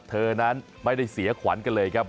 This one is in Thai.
เธอนั้นไม่ได้เสียขวัญกันเลยครับ